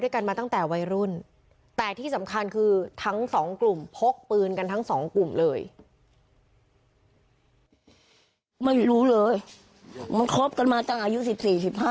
ขายกู้หักมึงเหมือนแบบนี้